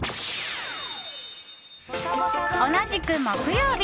同じく、木曜日。